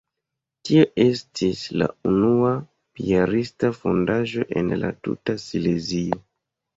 Tio estis la unua piarista fondaĵo en la tuta Silezio.